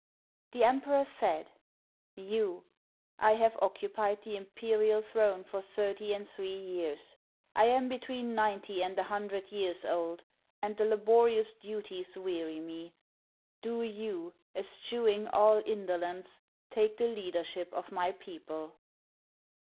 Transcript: ] The emperor said, " Yu, I have occupied the imperial throne for thirty and three years. I am between ninety and a hundred years old, and the laborious duties weary me. Do you, eschewing all indolence, take the leader ship of my people."